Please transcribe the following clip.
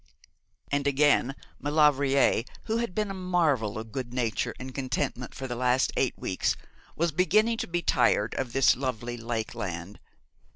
And again, Maulevrier, who had been a marvel of good nature and contentment for the last eight weeks, was beginning to be tired of this lovely Lakeland.